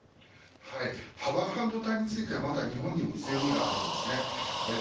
パワー半導体についてはまだ日本にも強みがあるんですね。